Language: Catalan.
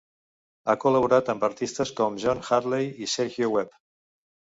Ha col·laborat amb artistes com John Hadley i Sergio Webb.